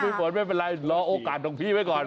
ฝนไม่เป็นไรรอโอกาสของพี่ไว้ก่อน